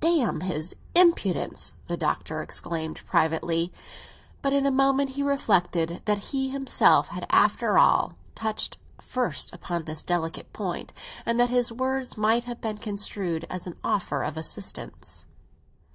"Damn his impudence!" the Doctor exclaimed privately. But in a moment he reflected that he himself had, after all, touched first upon this delicate point, and that his words might have been construed as an offer of assistance.